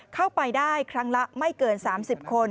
เข้าไปได้ครั้งละไม่เกิน๓๐คน